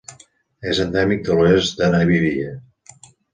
És endèmic de l'oest de Namíbia.